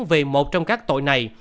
vì một trong các tội này